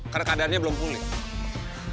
karena keadaannya belum pulih